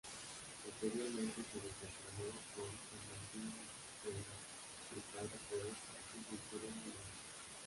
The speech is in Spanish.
Posteriormente se desempeñó con Bernardino Veiga, Ricardo Podestá y Víctor Hugo Morales.